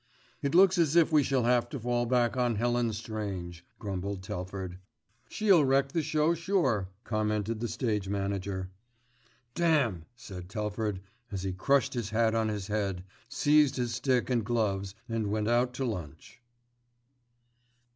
"It looks as if we shall have to fall back on Helen Strange," grumbled Telford. "She'll wreck the show, sure," commented the stage manager. "Damn!" said Telford, as he crushed his hat on his head, seized his stick and gloves and went out to lunch.